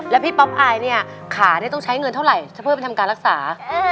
แล้วพี่ป๊อปอายเนี่ยขานี่ต้องใช้เงินเท่าไหร่เพื่อไปทำการรักษา